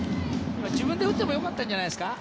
自分で打ってもよかったんじゃないですか？